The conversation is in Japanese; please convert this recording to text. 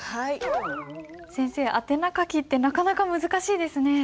先生宛名書きってなかなか難しいですね。